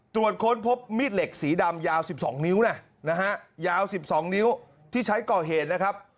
ตรวจค้นพบมีดเหล็กสีดำยาว๑๒นิ้วนะนะฮะยาว๑๒นิ้วที่ใช้ก่อเหตุนะครับ